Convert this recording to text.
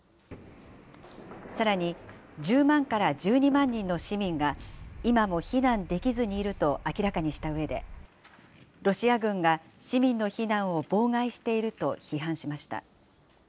さらに、１０万から１２万人の市民が、今も避難できずにいると明らかにしたうえで、ロシア軍が市民の避難を妨害していると批判しました。